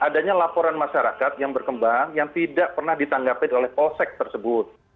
adanya laporan masyarakat yang berkembang yang tidak pernah ditanggapi oleh polsek tersebut